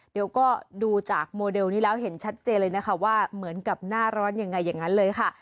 เดี๋ยวก็ดูจากโมเดลนี้แล้วเห็นชัดเจนเลยนะคะว่าเหมือนกับหน้าร้อนยังไงอย่างนั้นเลยค่ะ